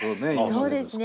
そうですね。